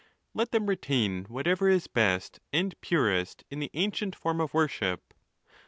Let them retain whatever is best and purest in the ancient form of worship.